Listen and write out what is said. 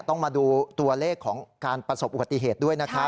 ต้องมาดูตัวเลขของการประสบอุบัติเหตุด้วยนะครับ